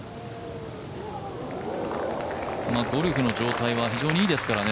ゴルフの状態は非常にいいですからね。